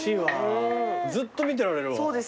ずっと見てられるわ。